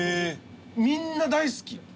みんな大好き。